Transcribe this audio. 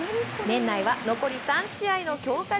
年内は残り３試合の強化